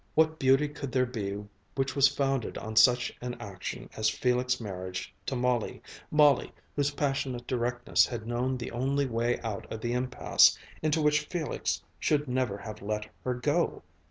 What beauty could there be which was founded on such an action as Felix' marriage to Molly Molly, whose passionate directness had known the only way out of the impasse into which Felix should never have let her go?...